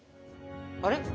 あれ？